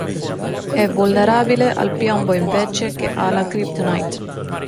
È vulnerabile al piombo invece che alla kryptonite.